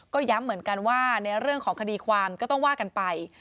ก็ย้ำเหมือนกันว่าในเรื่องของคดีความก็ต้องว่ากันไป